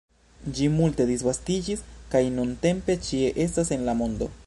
Ĝi multe disvastiĝis kaj nuntempe ĉie estas en la mondo.